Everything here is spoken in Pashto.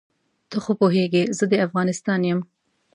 ته خو پوهېږې زه د افغانستان یم.